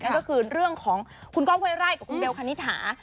นั่นก็คือเรื่องของคุณก้องเว้ไร่กับคุณเบลคณิตหา